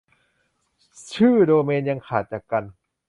ชื่อโดเมนยังขาดจากกัน